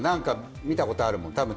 見たことあるもん。